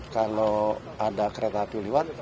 kalau ada kereta hapi luar